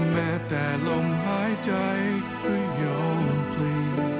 แม้แต่ลมหายใจก็ยอมพลี